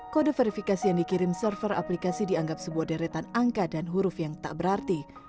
kode verifikasi yang dikirim server aplikasi dianggap sebuah deretan angka dan huruf yang tak berarti